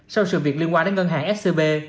sau sự việc liên quan đến ngân hàng scb